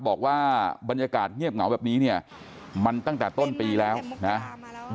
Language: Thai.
บอกว่าบรรยากาศเงียบเหงาแบบนี้เนี่ยมันตั้งแต่ต้นปีแล้วนะครับ